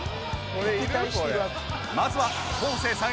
まずは昴生さん